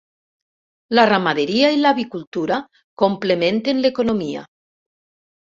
La ramaderia i l'avicultura complementen l'economia.